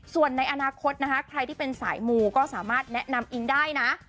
ส่วนในอนาคตนะคะใครที่เป็นสายมูก็สามารถแนะนำอิงได้นะ